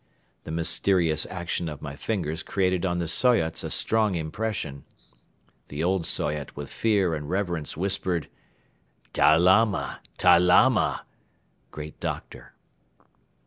The "mysterious" action of my fingers created on the Soyots a strong impression. The old Soyot with fear and reverence whispered: "Ta Lama, Ta Lama! (Great Doctor)."